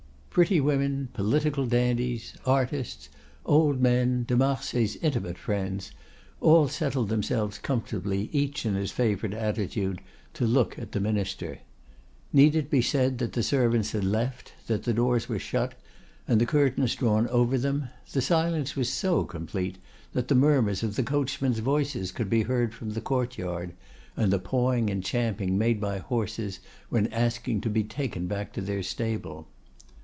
Pretty women, political dandies, artists, old men, de Marsay's intimate friends,—all settled themselves comfortably, each in his favorite attitude, to look at the Minister. Need it be said that the servants had left, that the doors were shut, and the curtains drawn over them? The silence was so complete that the murmurs of the coachmen's voices could be heard from the courtyard, and the pawing and champing made by horses when asking to be taken back to their stable.